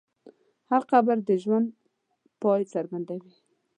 هر قبر د ژوند پای څرګندوي.